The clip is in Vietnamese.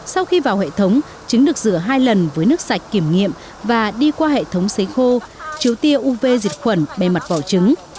sau khi vào hệ thống trứng được rửa hai lần với nước sạch kiểm nghiệm và đi qua hệ thống xấy khô chứa tia uv diệt khuẩn bề mặt vỏ trứng